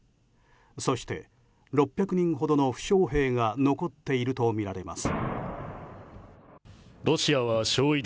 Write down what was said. そして６００人ほどの負傷兵が残っているとみられます。